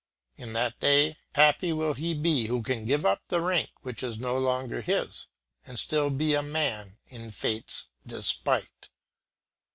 In that day, happy will he be who can give up the rank which is no longer his, and be still a man in Fate's despite.